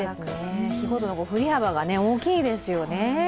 日ごとの振り幅が大きいですよね。